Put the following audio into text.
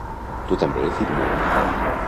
Tu també, fill meu?